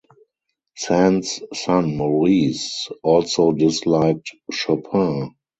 Sand's son Maurice also disliked Chopin.